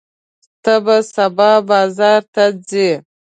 ته به سبا بازار ته ځې؟